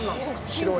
白い。